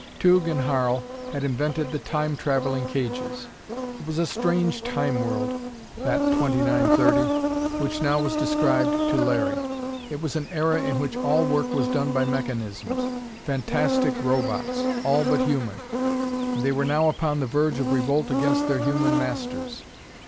Tugh and Harl had invented the Time traveling cages. It was a strange Time world, that 2930, which now was described to Larry. It was an era in which all work was done by mechanisms fantastic Robots, all but human! And they were now upon the verge of revolt against their human masters!